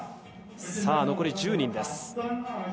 残り１０人です。